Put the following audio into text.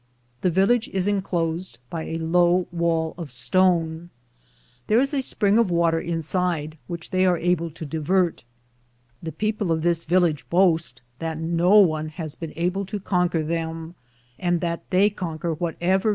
The village is inclosed by a low wall of stone. There is a spring of water inside, which they are able to divert.' The people of this village boast that no one has been able to conquer them and that they conquer whatever villages they illy written Acuye.